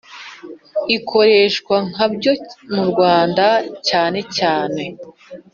ikoreshwa nka byo mu Rwanda cyane cyane